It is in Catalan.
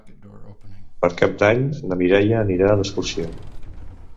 Per Cap d'Any na Mireia anirà d'excursió.